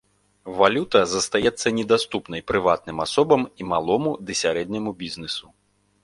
Валюта застаецца недаступнай прыватным асобам і малому ды сярэдняму бізнэсу.